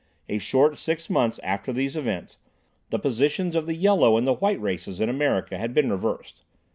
a short six months after these events, the positions of the Yellow and the White Races in America had been reversed.